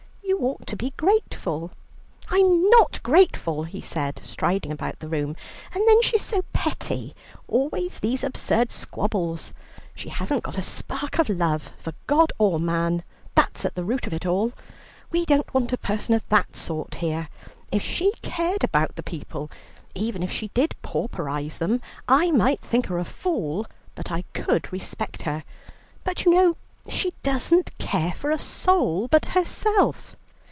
You ought to be grateful." "I'm not grateful," he said, striding about the room; "and then she is so petty, always these absurd squabbles. She hasn't got a spark of love for God or man. That's at the root of it all. We don't want a person of that sort here. If she cared about the people, even if she did pauperize them, I might think her a fool, but I could respect her; but you know she doesn't care for a soul but herself."